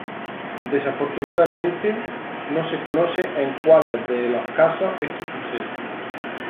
Desafortunadamente, no se conoce en cuáles de los casos esto sucede.